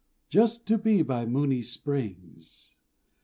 Just to be by Mooni's springs!